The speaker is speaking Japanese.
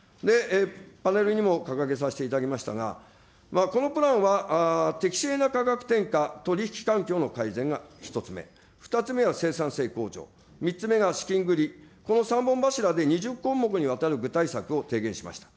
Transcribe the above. パネルにも掲げさせていただきましたが、このプランは適正な価格転嫁、取り引き環境の改善が１つ目、２つ目は生産性向上、３つ目が資金繰り、この３本柱で２０項目にわたる具体策を提言しました。